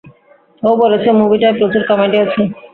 ও বলেছে, মুভিটায় প্রচুর কমেডি আছে!